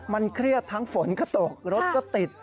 มันเครียดทั้งฝนก็ตกรถก็ติด